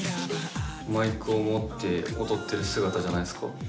マイクを持って踊ってる姿じゃないですか？